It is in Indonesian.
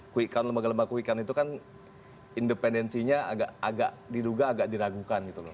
quick count lembaga lembaga quick count itu kan independensinya agak diduga agak diragukan gitu loh